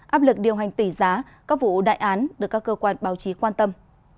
áp lực điều hành tỷ giá các vụ đại án được các cơ quan báo chí quan tâm